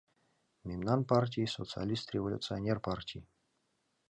— Мемнан партий — социалист-революционер партий.